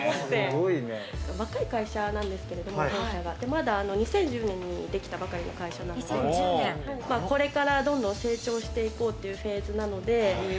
若い会社なんですけど、まだ２０１０年にできたばかりの会社なので、これからどんどん成長して行こうっていうフェーズなので。